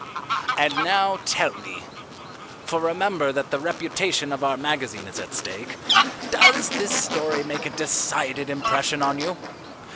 "And now tell me for remember that the reputation of our magazine is at stake does this story make a decided impression on you?